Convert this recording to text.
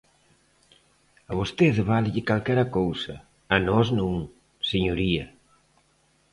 A vostede válelle calquera cousa; a nós non, señoría.